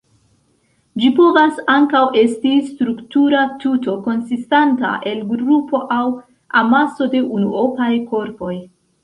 Ĝi povas ankaŭ esti struktura tuto konsistanta el grupo aŭ amaso de unuopaj korpoj.